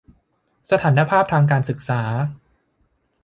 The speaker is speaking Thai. สถานภาพทางการศึกษา